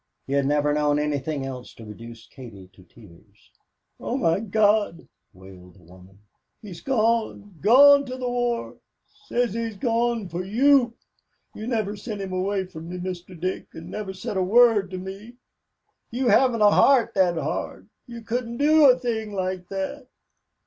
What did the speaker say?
He had never known anything else to reduce Katie to tears. "Oh, my God!" wailed the woman, "he's gone gone to the war says he's gone for you. You never sent him away from me, Mr. Dick, and never said a word to me. You haven't a heart that hard. You couldn't do a thing like that."